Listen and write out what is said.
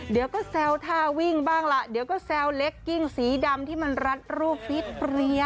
เดี๋ยวก็แซวท่าวิ่งบ้างล่ะเดี๋ยวก็แซวเล็กกิ้งสีดำที่มันรัดรูปฟิตเปรี้ย